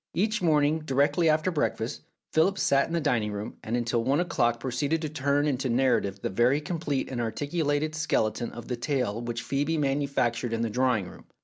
Every morning, directly after breakfast, Philip sat in the dining room, and until one o'clock proceeded to turn into narrative the very complete and articulated skeleton of the tale which Phcebe manufactured in the drawing room.